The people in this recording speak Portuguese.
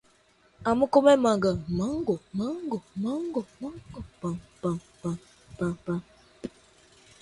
Amo comer manga.